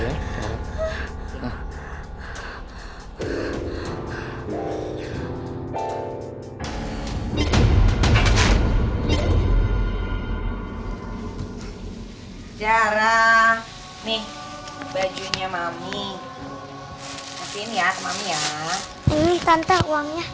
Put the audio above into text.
ini tante uangnya